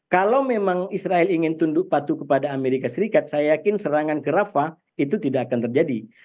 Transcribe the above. kalau memang israel ingin tunduk patuh kepada amerika serikat saya yakin serangan ke rafa itu tidak akan terjadi